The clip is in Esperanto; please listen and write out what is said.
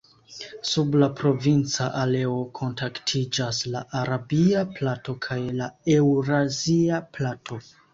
Sub la provinca areo kontaktiĝas la arabia plato kaj la eŭrazia plato.